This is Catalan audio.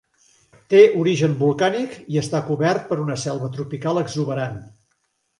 Té origen volcànic i està cobert per una selva tropical exuberant.